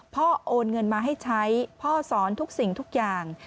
โอนเงินมาให้ใช้พ่อสอนทุกสิ่งทุกอย่าง